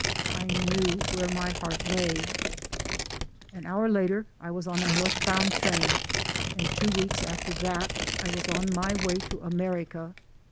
I knew where my heart lay. An hour later I was on a northbound train and two weeks after that I was on my way to America.